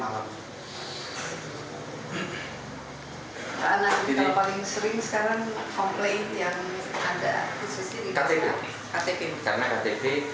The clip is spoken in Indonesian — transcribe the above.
pak anand kalau paling sering sekarang komplain yang anda khususkan di ktp